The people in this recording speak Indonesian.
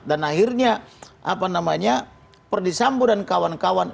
dan akhirnya perdisambu dan kawan kawan